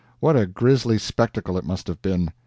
What a grisly spectacle it must have been!